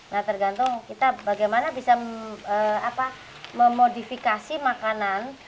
nah tergantung kita bagaimana bisa memodifikasi makanan